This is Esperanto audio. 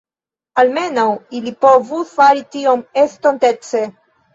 Almenaŭ ili povus fari tion estontece.